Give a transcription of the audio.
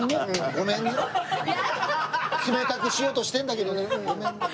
冷たくしようとしてるんだけどねごめんね。